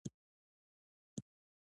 هسته د ځمکې منځ کې ده.